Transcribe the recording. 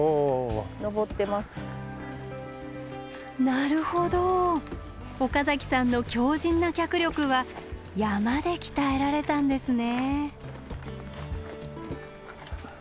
なるほど岡崎さんの強じんな脚力は山で鍛えられたんですね。